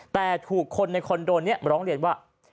แต่ถูกคนในคอนโดนี้ร้องเรียนว่า